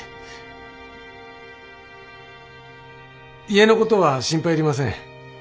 家のことは心配いりません。